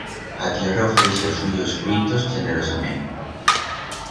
A tierra ofreixe es suyos fruitos chenerosament.